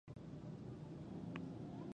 او دظلم پایله د دنیا او اخرت رسوايي ده،